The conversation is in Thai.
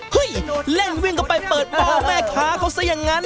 เฮ้ยเล่นวิ่งกลับไปเปิดหม้อแม่ขาเขาซะอย่างนั้น